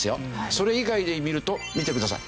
それ以外で見ると見てください